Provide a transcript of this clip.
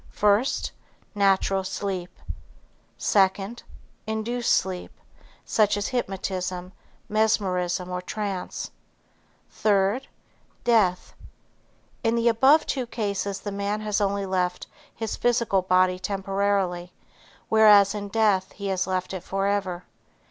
First, natural sleep. Second, induced sleep, such as hypnotism, mesmerism or trance. Third, death. In the above two cases the man has only left his physical body temporarily, whereas in death he has left it forever.